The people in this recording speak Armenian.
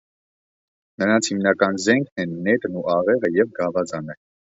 Նրանց հիմնական զենքերն են նետն ու աղեղը և գավազանը։